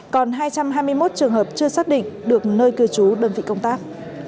còn hai trăm hai mươi một trường hợp chưa xác định được nơi cư trú đơn vị công tác